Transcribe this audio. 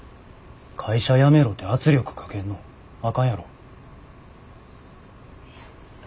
会社辞めろて圧力かけんのあかんやろ。